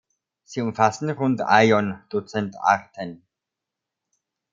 Sie umfassen rund eion Dutzend Arten.